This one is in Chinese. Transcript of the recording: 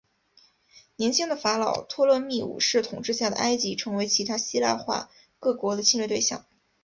年轻的法老托勒密五世统治下的埃及成为其他希腊化各国的侵略对象。